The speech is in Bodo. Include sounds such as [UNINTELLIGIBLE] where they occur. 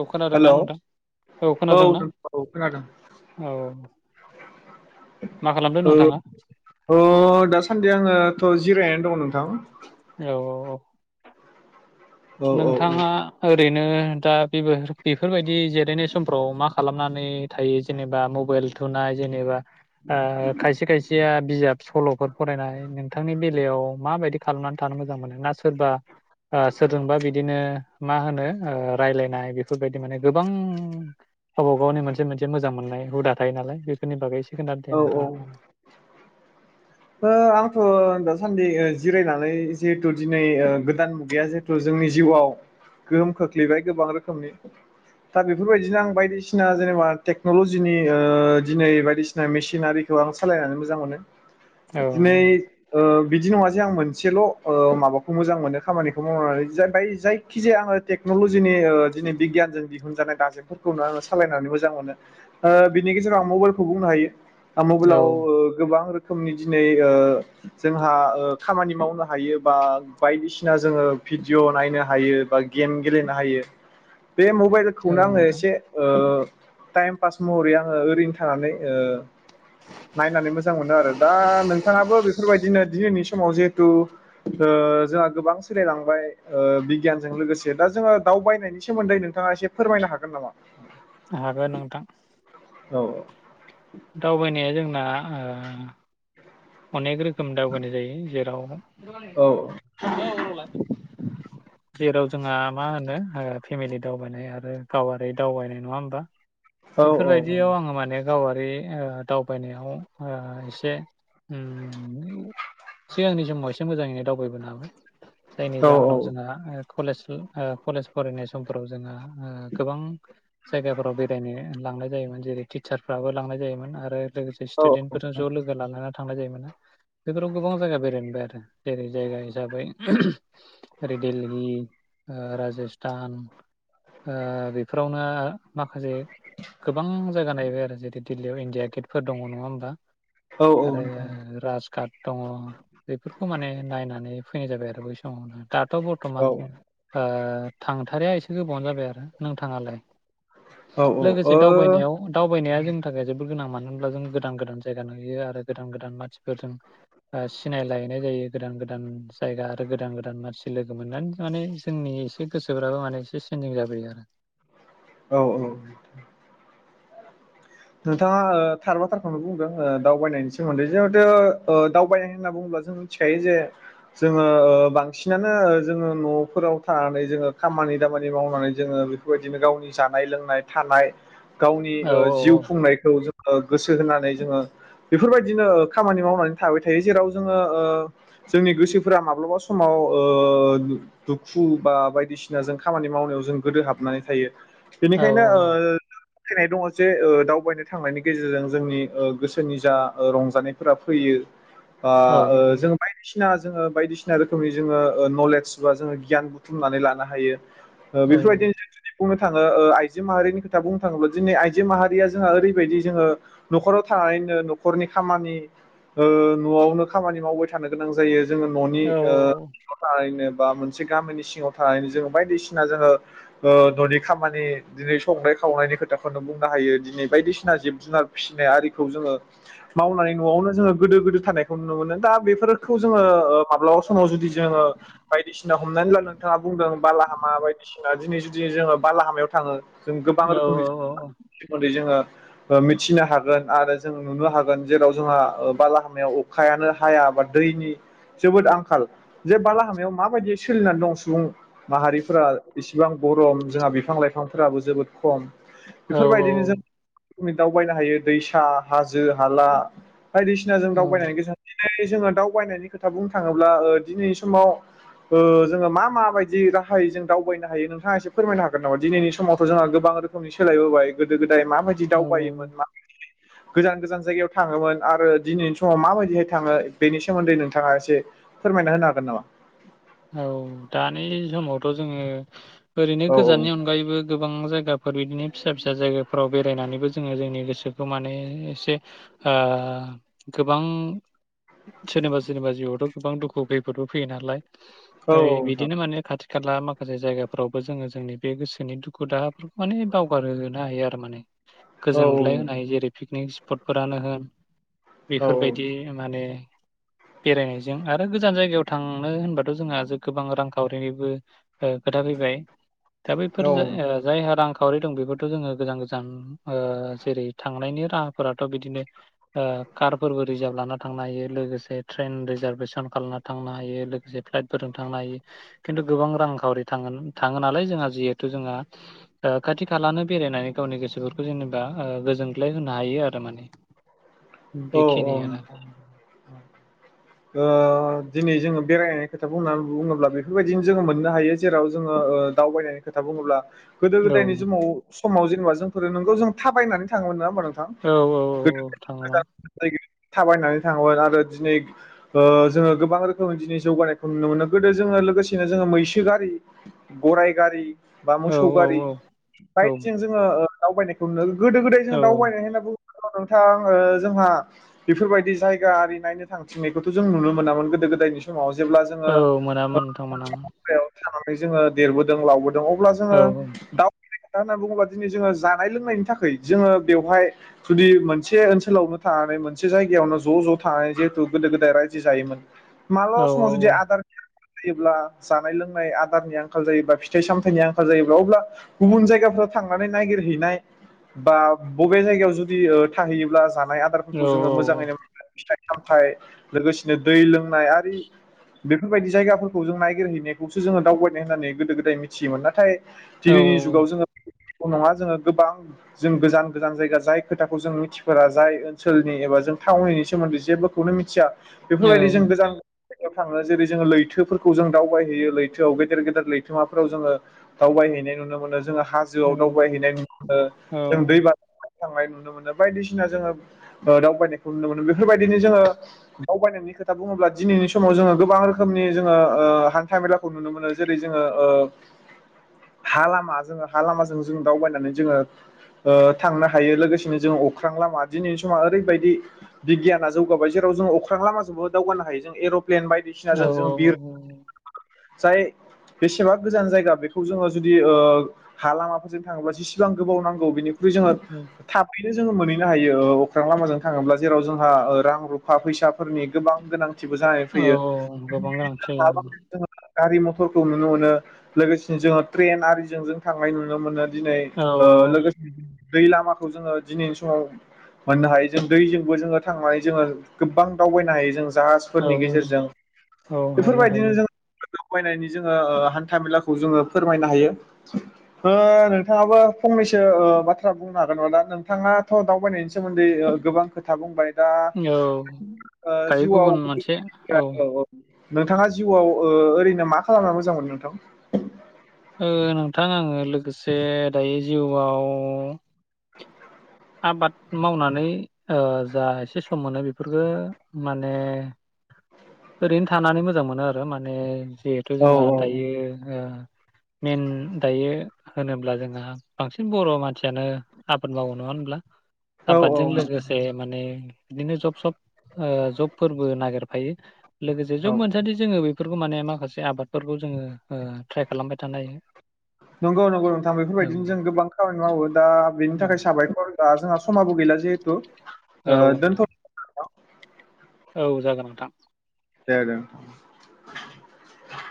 औ खोनादोंना हेलौ नोंथां औ नोंथां औ खोनादों औ मा खालामदों नोंथाङा औ दासान्दि आङोथ' जिरायनानै दङ नोंथां औ औ औ नोंथाङा ओरैनो नो दा बे-बेफोरबायदि जिरायनाय समफ्राव मा खालामनानै थायो जेनेबा मबाइल थुनाय जेनेबा आ खायसे खायसे आ बिजाब सल'फोर फरायनाय नोंथांनि बेलायाव माबायदि खालामनानै थानो मोजां मोनो ना सोरबा ओ सोरजोंबा बिदिनो मा होनो ओ रायलायनाय बेफोरबायदि माने गोबां गावबा गावनि मोनसे मोनसे मोजां मोननाय हुदा थायो नालाय बेफोरनि बागै खोन्थादो दे औ औ ओ नोंथाङा आंथ' दासान्दि जिरायनानै जिहेथु दिनै ओ गोदान मुगाया जिहेथु जोंनि जिउआव गोहोम खोख्लैबाय गोबां रोखोमनि दा बेफोरबायदिनो आं बायदिसिना जेनेबा टेक्न'ल'जिनि ओ दिनै बायदिसिना मेसिन आरिखौ आं सालायनानै मोजां मोनो औ दिनै ओ बिदि नङा जे आं मोनसेल' ओ माबाखौ मोजां मोनो खामानिखौ मावनानै जायखि जाया आङो टेकनलजि नि ओ दिनि बिग्यानजों दिहुन जानाय दाजेमफोरखौनो आङो सालायनानै मोजां मोनो ओ बिनि गेजेराव आं मबाइलखौ बुंनो हायो। औ मबाइलाव ओ गोबां रो रोखोमनि दिनै ओ जोंहा ओ खामानि मावनो हायो बा बायदिसिना जोङो भिडिअ नायनो हायो बा गेम गेलेनो हायो बे मबाइलखौनो आङो नोंथां एसे ओ टाइम पास महरै आङो ओरैनो थानानै ओ नायनानै मोजां मोनो आरो दा नोंथाङाबो बेफोरबायदिनो दिनैनि समाव जिहेथु ओ जोंहा गोबां सोलायलांबाय ओ बिगियानजों लोगोसे दा जोङो दाव बायनायनि सोमोन्दै नोंथाङा एसे फोरमायनो हागोन नामा हागोन नोंथां औ औ दावबायनाया जोंना ओ अनेक रो खोम दावगानाय जायो जेराव औ [UNINTELLIGIBLE] [UNINTELLIGIBLE] जेराव जोंहा मा होनो ओ फेमिलि दावबायनाय आरो गावारि दावबायनाय नङा होमबा औ बेफोरबायदियाव आङो माने गावारि ओ दावबायनायाव ओ एसे उम सिगांनि समाव एसे मोजाङैनो दावबाय नालाय जायनि औ जाहोनाव जोंहा अ कलेज अ कलेज फरायनाय समफोराव जोंहा आ गोबां जायगाफोराव बेरायनो लांनाय जायोमोन जेरै टिचारफ्राबो लांनाय जायोमोन आरो लोगोसे औ स्टुडेन्टफोरजों ज' लोगो लानानै थांनाय जायोमोना बेफोराव गोबां जायगा बेरायनो मोनबाय आरो जेरै जायगा हिसाबै ओरै दिल्ली आ राजस्थान आ बेफोरावनो ओ माखासे गोबां जायगा नायबाय आरो जेरै दिल्लीयाव इण्डिया गेटफोर दङ नङा होमबा औ आरो नोंथां राज काट दङ बेफोरखौ माने नायनानै फैनाय जाबाय आरो बै औ दाथ' औ बर्थमान आ थांथारिया एसे गोबावानो जाबाय आरो नोंथाङालाय औ लोगोसे दावबायनायाव दावबायनाया जोंनि थाखाय जोबोद गोनां मान नो होनब्ला जों गोदान गोदान जायगा नुयो आरो गोदान गोदान मानसिफोरजों आ सिनायलायनाय जायो गोदान गोदान जायगा आरो गोदान गोदान मानसि लोगो मोननानै माने जोंनि एसे गोसोफ्राबो माने एसे चेन्जिं जाबोयो आरो औ औ नोंथाङा अ थार बाथ्रारखौनो बुंदों ओ दावबायनायनि सोमोनदै जिहेथु अ दावबायनाय होनना बुङोब्ला जों मिथिखायो जे जोङो अ बांसिनानो जोङो न'फोराव थानानै जोङो खामानि दामानि मावनानै जोङो बेफोरबायदिनो गावनि जानाय लोंनाय थानाय गावनि औ ओ जिउ जो गोसो होनानै जोङो बेफोरबायदिनो अ खामानि मावनानै थाबाय थायो जेराव जोङो ओ जोंनि गोसोफोरा माब्लाबा समाव अ दुखु बा बायदिसिना जों खामानि मावनायाव जों गोदो हाबनानै थायो औ बेनिखायनो ओ फैनाय दङ जे दाउ दावबायनो थांनायनि गेजेरजों जोंनि ओ गोसोनि जा ओ रंजानायफोरा फैयो आ औ ओ जों बायदिसिना जोङो बायदिसिना रोखोमनि जोङो ओ नलेज बा जोङो गियान बुथुमनानै लानो हायो ओ औ बेफोरबायदिनो जों जुदि बुंनो थाङो ओ आइजो माहारिनि खोथा बुंनो थाङोब्ला दिनै आइजो माहारिया जोंहा ओरैबायदि जोङो न'खराव थानानैनो न'खरनि खामानि अ न'आवनो खामानि मावबाय थानो गोनां जायो जोङो न'नि औ ओ थारैनो बा मोनसे गामिनि सिङाव थानायानानै जोङो बायदिसिना जोङो अ न'नि खामानि दिनै संनाय खावनायनि खोथाखौनो बुंनो हायो दिनै बायदिसिना जिब जुनार फिसिनाय आरिखौ जोङो मावनानै न'आवनो जोङो गोदो गोदो थानायखौ नुनो मोनो दा बेफोरखौ जोङो ओ माब्लाबा समाव जुदि जोङो बायदिसिना हमनानै ला नोंथाङा बुंदों बालाहामा बायदिसिना दिनै जुदि जोङो बालाहामायाव थाङो जों गोबां औ रोखोमनि सोमोनदै जोङो अ मिथिनो हागोन आरो जों नुनो हागोन जेराव जोंहा अ बालाहामायाव अखायानो हाया बा दैनि जोबोद आंखाल जे बालाहामायाव माबायदि सोलिनानै दं सुबुं माहारिफोरा इसे बिसेबां गरम जोंहा बिफां लाइफांफोराबो जोबोद खम औ बेफोरबायदिनो जों दावउबायनो हायो दैसा हाजो हाला बायदिसिना जों दावबायनायनि गोसान जोङो दावबायनायनि खोथा बुंनो थाङोब्ला ओ दिनैनि समाव ओ जोङो मा माबायदि राहायै जों दावबायनो हायो नोंथाङा एसे फोरमायनो हागोन नामा दिनैनि समावथ' जोंहा गोबां रोखोमनि सोलायबोबाय गोदो गोद दाय माबायदि औ औ दावबायोमोन माबायदि [INAUDIBLE] गोजान गोजान जायगायाव थाङोमोन आरो दिनैनि समाव माबायदिहाय थाङो बेनि सोमोन्दै नोंथाङा एसे फोरमायना होनो हागोन नामा औ दानि समावथ' जोङो ओरैनो औ गोजाननि अनगायैबो गोबां जाय गाफोर बिदिनो फिसा फिसा जायगाफोराव बेरायनानैबो जोङो जोंनि गोसोखौ माने एसे ओ गोबां सोरनिबा सोरनिबा जिउआवथ' गोबां दुखु खैफोदबो फैयो नालाय औ औ ओइ नोंथां बिदिनो माने खाथि खाला माखासे जायगाफोरावबो जोङो जोंनि बे गोसोनि दुखु दाहाफोरखौ माने बावगारहो हायो आरो माने औ गोजोनग्लाय होनो हायो जेरै पिकनिकस फुटफोरानो होन औ औ बेफोरबायदि माने बेरायनायजों आरो गोजान जायगायाव थांनो होनबा थ' जोंहा गोबां रांखावरिनिबो ओ खोथा फैबाय दा बैफोर ज ओ जायहा रां खा खावरि दं बेफोरथ' जोङो गोजान गोजान ओ जेरै थांनायनि राहाफोराथ' बिदिनो ओ कारफोरबो रिजार्भ लाना थांनो हायो लोगोसे ट्रेन रिजार्भेसन खालामना थांनो हायो लो से फ्लाइटफोरजों थांनो हायो खिन्थु गोबां रांखावरि थां थाङो नालाय जोंहा जिहेथु जोंहा खाथि खालानो बेरायनानै गावनि गोसोफोरखौ जेनेबा ओ गोजोनग्लाय होनो हायो आरो माने औ औ बेखिनियानो नोंथां ओ दिनै जोङो बेरायनायनि खोथा बुंनानै बुङोब्ला बेफोरबायदिनो जोङो मोननो हायो जेराव जोङो ओ दावबायनायनि खोथा बुङोब्ला गोदो औ गोदायनि समाव समाव जेनेबा जोंफोरो नोंगौ जों थाबायनानै थाङोमोन नोङा होनबा नों औ औ औ थाङोमोन [UNINTELLIGIBLE] थाबायनानै थाङोमोन आरो दिनै ओ जोङो गोबां रोखोमनि दिनै जौगानायखौ नुनो मोनो गोदो जोङो लोगोसेनो जोङो मैसो गारि गराइ गारि बा औ मोसौ गारि औ औ बाइकजों जोङो दावबायनायखौनो गोदो गोदाय औ जों दावबायनानै होना बु औ नोंथां ओ जोंहा बेफोरबायदि जायगा ओरि नायनो थांथिंनाय खथ' जों नुनो मोनामोन गोदो गोदायनि समाव जोङो औ मोनामोन नोंथां मोनामोन थानानै जोङो देरबोदों लावबोद दों अब्ला औ जोङो दाउ खोथा होनना बुङोबा दिनै जोङो जानाय लोंनायनि थाखै जोङो बेवहाय जुदि मोनसे ओनसोलावनो थानानै मोनसे जायगायावनो ज' ज' थानानै जिहेतु गोदो गोदाय रायजो जायोमोन। औ मालाबा समाव जुदि औ आदार जायोब्ला जानाय लोंनाय आदारनि आंखाल जायोबा फिथाइ सामथाइनि आंखाल जायोब्ला अब्ला गुबुन जायगाफ्राव थांनानै ननायागिरहैनाय बा बबे जायगायाव जुदि थाहैयोब्ला ओ जा नाय औ आदाफोरखौ जोङो मोजाङैनो [UNINTELLIGIBLE] सामथाइ लोगोसेनो दै लोंनाय आरि बेफोरबायदि जायगाफोरखौ जों नायगिरहैनायखौसो जोङो दावबायनाय होननानै गोदो गोदाय मिथियोमोन नाथाय औ दिनैनि जुगाव जोङो नङा जोङो गोबां जों गोजान गोजान जायगा जाय खोथाखौ जों मिथिफोरा जाय ओनसोलनि एबा जों थावनि सोमोन्दै जेबो खौनो मिथिया औ बेफोरबायदि जों गोजान याव थाङो जेरै जोङो लैथोफोरखौ जों दावबायहैयो लैथोआव गेदेर गेदेर लैथोमाफोराव जोङो दावबायहैनाय नुनो मोनो जोंहा औ हाजोआव दावबायहैनाय नुनो मोनो औ जों दै बाना थांनाय नुनो मोनो बायदिसिना जोङो दावबायनायखौ नुनो मोनो बेफोरबायदिनो जोङो दावबायनायनि खोथा बुङोब्ला दिनैनि समाव जोङो गोबां रोखोमनि जोङो हान्थ मेलाखौ नुनो मोनो जेरै जोङो हा लामा जोङो हा लामाजों जों दावबायनानै जोङो थांनो हायो लोगोसेनो जोङो अख्रां लामा दिनैनि समाव ओरैबायदि बिगियाना जौगाबाय जों जों अख्रां लामाजोंबो दावगानो हायो जों एर' प्लेन औ बायदिसिनाजों जों बिर जाय बेसेबा गोजान जायगा बेखौ जोङो जुदि हा लामाफोरजों थाङोबा जिसेबां गोबाव नांगौ बेनि जोङो औ थ जोङो मोनहैनो हायो अख्रां लामाजों थाङोब्ला जेराव जोंहा रां रु थाखा फैसाफोरनि गोबां गोनां बो जानानै औ फैयो गोबां गोनांथि जायो। जानानै गारि मथरखौ नुनो मोनो लोगोसेनो जोङो ट्रेन आरिजों जों थांनाय नुनो मोनो। दिनै औ ओ लोगोसे दै लामाखौ जोङो दिनैनि समाव मोननो हायो जों दैजोंबो जोङो थांनानै जोङो गोबां दावबायनो हायो जों औ जाहाजफोरनि गेजेरजों औ हायो बेफोरबायदिनो हायो जों दावबायनायनि जोङो हान्था मेलाखौ जोङो फोरमायनो हायो नोंथाङाबो फंनैसो बाथ्रा बुंनो हागोन न दा नोंथाङाथ' दावबायनायनि सोमोन्दै गोबां खोथा बुंबाय दा औ ओ दायो जिउआव गुबुन मोनसे औ नोंथाङा जिउआव ओ ओरैनो मा खालामना मोजां मोनो नोंथां ओ नोंथां आङो लोगोसे दायो जिउआव आबाद मावनानै जा ओ एसे सम मोनो बेफोरखो माने ओरैनो थानानै मोजां मोनो आरो माने जिहेथु औ जोंहा दायो ओ मेेन दायो होनोब्ला जोंहा बांसिन बर' मानसियानो आबाद मावो नङा होन [INAUDIBLE] औ आबादजों नोंथां लोगोसे लोगोसे माने बिदिनो जब सब ओ जबफोरबो नागिरफायो लोगोसे जब औ मोनसानदि जोङो बे बेफोरखौ माने माखासे आबादफोरखौ जोङो ओ ट्राइ खालामबाय थानो हायो नंगौ नंगौ नोंथां बेफोरबायदिनो जों औ गोबां खामानि मावो दा बेनि थाखाय साबायखर बा जोंहा समाबो गैला जिहेथु औ नोंथां औ औ जागोन नोंथां दे दे नोंथां